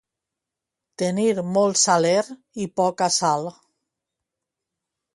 Tenir molt saler i poca sal.